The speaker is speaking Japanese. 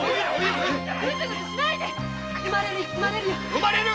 生まれる？